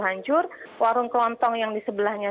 hancur warung kelontong yang di sebelahnya